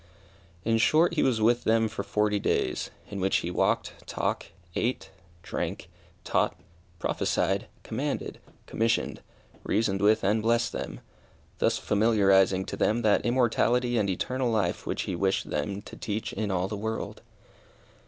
In short, he was with them for forty days, in which he walked, talked, ate, drank, taught, prophesied, commanded, commissioned, reasoned with and blessed them, thus familiarizing to them that immortality and eternal life which he wished them to teach in all the world.